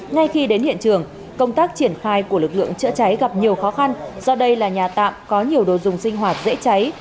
ngay khi đến hiện trường công tác triển khai của lực lượng chữa cháy gặp nhiều khó khăn do đây là nhà tạm có nhiều đồ dùng sinh hoạt dễ cháy